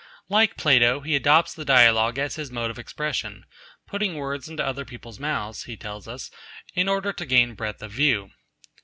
Like Plato, he adopts the dialogue as his mode of expression, 'putting words into other people's mouths,' he tells us, 'in order to gain breadth of view.'